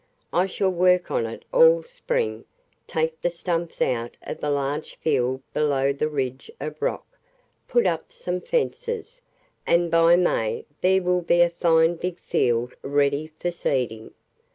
I shall work on it all spring, take the stumps out of the large field below the ridge of rock, put up some fences, and by May there will be a fine big field ready for seeding.